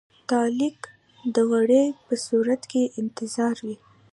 د تعلیق د دورې په صورت کې انتظار وي.